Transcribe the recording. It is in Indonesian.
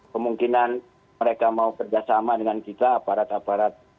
kemungkinan mereka mau kerjasama dengan kita aparat aparat